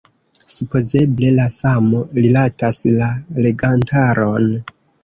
Supozeble la samo rilatas la legantaron.